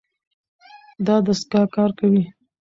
دا دستګاه کار کوي.